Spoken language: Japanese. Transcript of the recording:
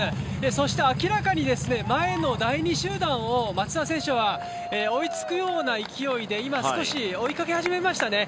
そして明らかに前の第２集団を松田選手は、追いつくような勢いで今、少し追いかけ始めましたね。